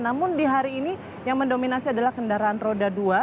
namun di hari ini yang mendominasi adalah kendaraan roda dua